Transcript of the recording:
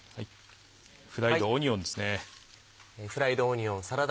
フライドオニオンですね。